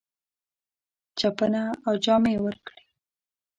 چپنه او جامې ورکړې.